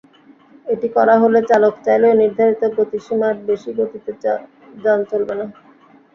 এটি করা হলে চালক চাইলেও নির্ধারিত গতিসীমার বেশি গতিতে যান চলবে না।